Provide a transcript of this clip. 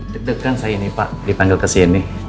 deg degan saya ini pak dipanggil ke sini